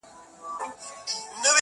زه چي سهار له خوبه پاڅېږمه.